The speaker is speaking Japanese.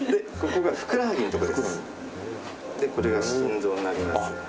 これが心臓になります。